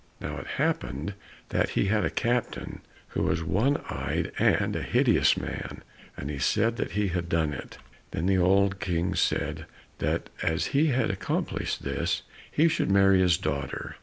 Now it happened that he had a captain, who was one eyed and a hideous man, and he said that he had done it. Then the old King said that as he had accomplished this, he should marry his daughter.